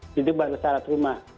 jadi baru syarat rumah